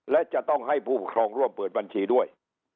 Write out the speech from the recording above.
และจะต้องให้ผู้ปกครองร่วมเปิดบัญชีด้วย